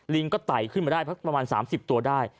ก็ไต่ขึ้นมาได้ประมาณ๓๐ตัวได้